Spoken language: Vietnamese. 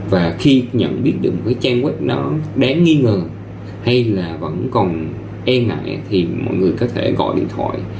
và khi nhận biết được một cái trang web nó đáng nghi ngờ hay là vẫn còn e ngại thì mọi người có thể gọi điện thoại